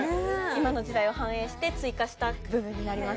今の時代を反映して追加した部分になります。